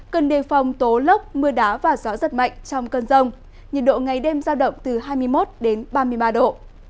cần đề phòng tố lốc mưa đá và gió giật mạnh trong cơn rông nhiệt độ ngày đêm giao động từ hai mươi một ba mươi ba độ